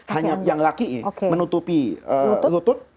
hanya yang laki menutupi lutut